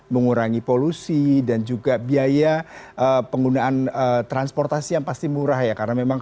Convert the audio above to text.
mengurangi polusi dan juga biaya penggunaan transportasi yang pasti murah ya karena memang